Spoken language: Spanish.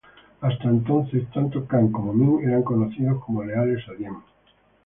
Hasta entonces tanto Khanh como Minh eran conocidos como leales a Diem.